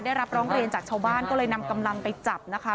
ได้รับร้องเรียนจากชาวบ้านก็เลยนำกำลังไปจับนะคะ